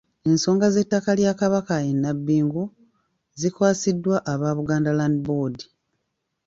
Ensonga z'ettaka lya Kabaka e Nabbingo zikwasiddwa aba Buganda Land Board.